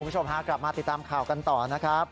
คุณผู้ชมฮะกลับมาติดตามข่าวกันต่อนะครับ